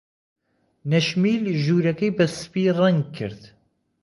نەشمیل ژوورەکەی بە سپی ڕەنگ کرد.